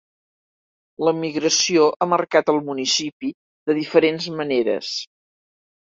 L'emigració ha marcat el municipi de diferents maneres.